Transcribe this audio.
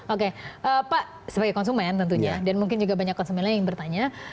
oke pak sebagai konsumen tentunya dan mungkin juga banyak konsumen lain yang bertanya